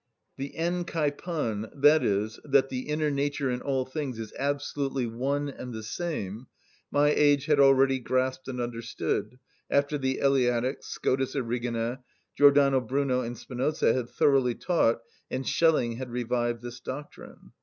The ἑν και παν, i.e., that the inner nature in all things is absolutely one and the same, my age had already grasped and understood, after the Eleatics, Scotus Erigena, Giordano Bruno, and Spinoza had thoroughly taught, and Schelling had revived this doctrine.